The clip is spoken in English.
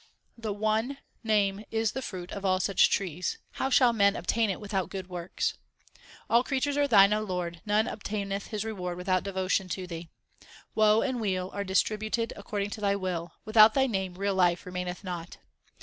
The one Name is the fruit of all such trees ; how shall men obtain it without good works ? All creatures are Thine, O Lord ; none obtaineth his reward without devotion to Thee. Woe and weal are distributed according to Thy will ; without Thy name real life remaineth not.